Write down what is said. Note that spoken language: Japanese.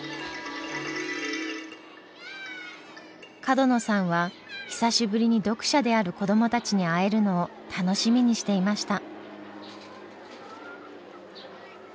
角野さんは久しぶりに読者である子どもたちに会えるのを楽しみにしていました。